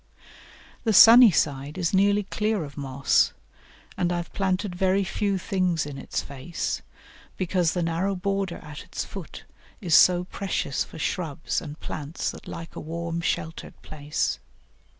The sunny side is nearly clear of moss, and I have planted very few things in its face, because the narrow border at its foot is so precious for shrubs and plants that like a warm, sheltered place.